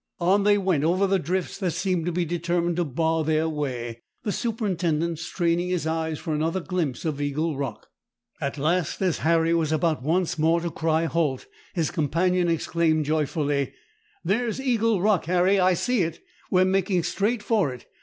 On they went over the drifts that seemed to be determined to bar their way, the superintendent straining his eyes for another glimpse of Eagle Rock. At last, as Harry was about once more to cry halt, his companion exclaimed joyfully,— "There's Eagle Rock, Harry! I see it. We're making straight for it.